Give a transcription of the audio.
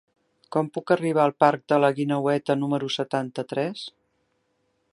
Com puc arribar al parc de la Guineueta número setanta-tres?